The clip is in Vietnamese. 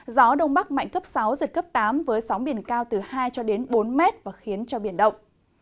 gió đông bắc mạnh cấp sáu giật cấp tám với sóng biển cao từ hai cho đến bốn mét và khiến cho biển động